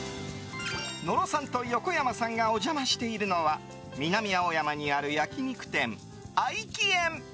野呂さんと横山さんがお邪魔しているのは南青山にある焼き肉店、合奇苑。